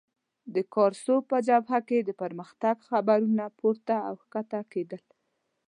د کارسو په جبهه کې د پرمختګ خبرونه پورته او کښته کېدل.